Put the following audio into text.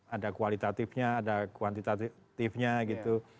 ada kualitatifnya ada kuantitatifnya gitu